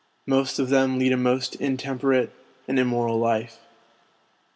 Most of them lead a most intemperate and immoral life.